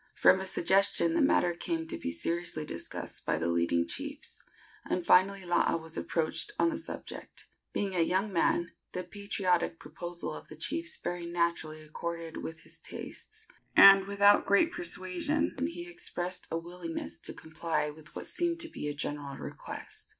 From a suggestion the matter came to be seriously discussed by the leading chiefs, and finally Laa was approached on the subject. Being a young man, the patriotic proposal of the chiefs very naturally accorded with his tastes, and, without great persuasion, he expressed a willingness to comply with what seemed to be a general request.